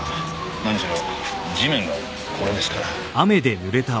何しろ地面がこれですから。